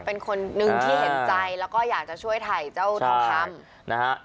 เป็นคนนึงที่เห็นใจแล้วก็อยากจะช่วยถ่ายเจ้าทองคำนะฮะ